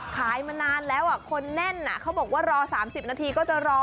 มานานแล้วคนแน่นเขาบอกว่ารอ๓๐นาทีก็จะรอ